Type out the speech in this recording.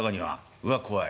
「うわっ怖い」。